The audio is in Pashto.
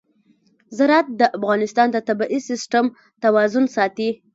زراعت د افغانستان د طبعي سیسټم توازن ساتي.